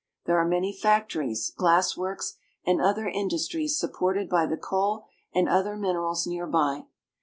There are many factories, glass works, and other industries sup ported by the coal and other minerals near by.